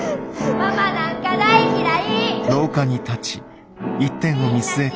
ママなんか大嫌い！